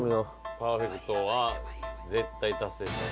パーフェクトは絶対達成したい。